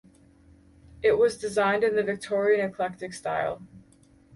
It was designed in the Victorian Eclectic style.